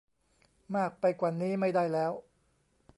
มากไปกว่านี้ไม่ได้แล้ว